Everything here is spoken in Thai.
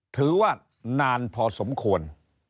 ถือว่านานพอสมควร